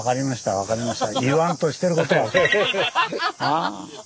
分かりました。